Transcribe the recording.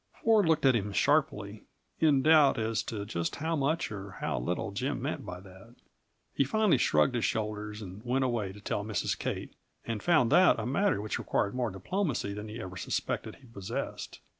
Ford looked at him sharply, in doubt as to just how much or how little Jim meant by that. He finally shrugged his shoulders and went away to tell Mrs. Kate, and found that a matter which required more diplomacy than he ever suspected he possessed.